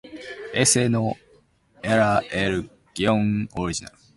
Ese no era el guion original.